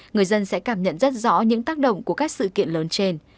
người dân sẽ cảm nhận rất rõ những tác động của các sự kiện lớn trên